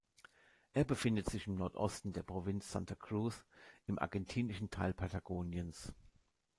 Er befindet sich im Nordosten der Provinz Santa Cruz im argentinischen Teil Patagoniens.